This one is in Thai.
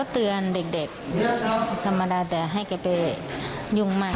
พาเจ้าหน้าที่ไปจับใครด้วยไหม